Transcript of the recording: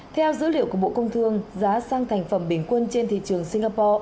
theo dữ liệu của bộ công thương giá xăng thành phẩm bình quân trên thị trường singapore